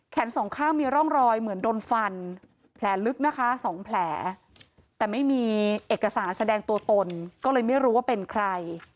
สองข้างมีร่องรอยเหมือนโดนฟันแผลลึกนะคะ๒แผลแต่ไม่มีเอกสารแสดงตัวตนก็เลยไม่รู้ว่าเป็นใคร